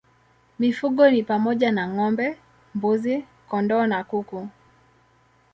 Mifugo ni pamoja na ng'ombe, mbuzi, kondoo na kuku.